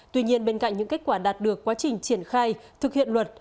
tuy nhiên bên cạnh những kết quả đạt được quá trình triển khai thực hiện luật